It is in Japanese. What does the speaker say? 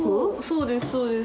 そうですそうです。